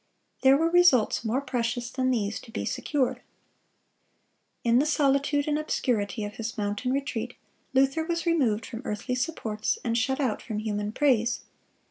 There were results more precious than these to be secured. In the solitude and obscurity of his mountain retreat, Luther was removed from earthly supports, and shut out from human praise.